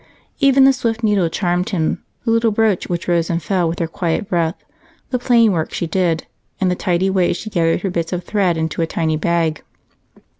Even the swift needle charmed him, the little brooch which rose and fell with her quiet breath, the plain work she did, and the tidy way she gathered her bits of thread into a tiny bag.